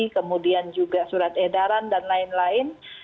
kemudian juga surat edaran dan lain lain